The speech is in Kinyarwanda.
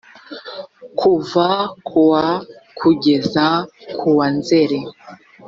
kuva ku wa kugeza ku wa nzeri